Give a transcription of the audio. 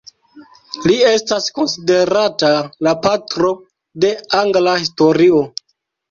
Li estas konsiderata "la patro de angla historio".